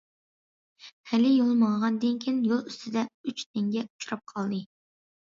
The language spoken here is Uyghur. خېلى يول ماڭغاندىن كېيىن يول ئۈستىدە ئۈچ تەڭگە ئۇچراپ قالدى.